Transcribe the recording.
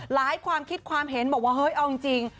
ความคิดความเห็นบอกว่าเฮ้ยเอาจริง